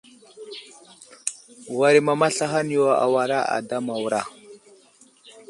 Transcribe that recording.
War i mama slahaŋ yo awara ada Mawra.